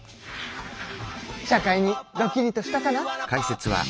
社会にドキリとしたかな？